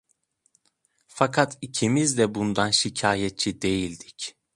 Fakat ikimiz de bundan şikâyetçi değildik.